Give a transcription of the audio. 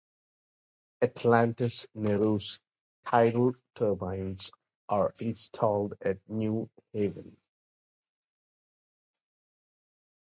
Atlantis Nereus tidal turbines are installed at Newhaven.